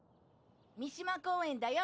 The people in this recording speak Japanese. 三島公園だよ。